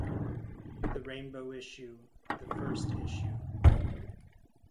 "The Rainbow Issue", "The First Issue".